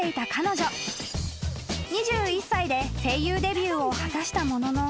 ［２１歳で声優デビューを果たしたものの］